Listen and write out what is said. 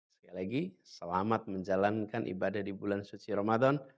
sekali lagi selamat menjalankan ibadah di bulan suci ramadan